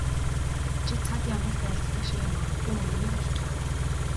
Чи цаг ямагт айлддаг шигээ мадаггүй үнэнийг айлдлаа.